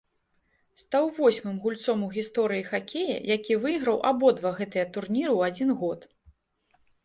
Стаў восьмым гульцом у гісторыі хакея, які выйграў абодва гэтыя турніры ў адзін год.